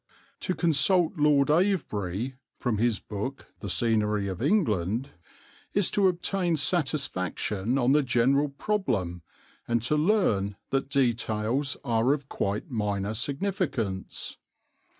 To consult Lord Avebury (The Scenery of England) is to obtain satisfaction on the general problem and to learn that details are of quite minor significance.